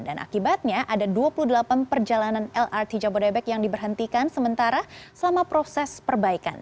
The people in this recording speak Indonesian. dan akibatnya ada dua puluh delapan perjalanan lrt jabodebek yang diberhentikan sementara selama proses perbaikan